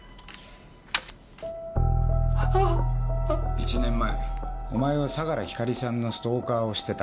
１年前お前は相良光莉さんのストーカーをしてた。